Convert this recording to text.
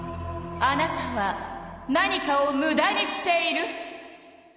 あなたは何かをむだにしている！